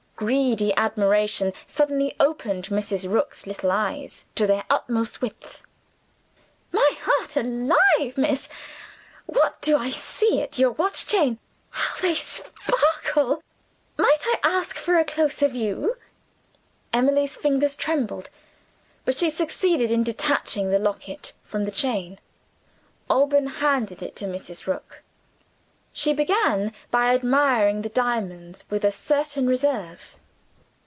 Greedy admiration suddenly opened Mrs. Rook's little eyes to their utmost width. "My heart alive, miss, what do I see at your watch chain? How they sparkle! Might I ask for a closer view?" Emily's fingers trembled; but she succeeded in detaching the locket from the chain. Alban handed it to Mrs. Rook. She began by admiring the diamonds with a certain reserve.